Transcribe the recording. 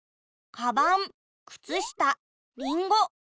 かばんくつしたりんご。